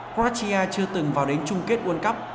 quartia chưa từng vào đến trung kết world cup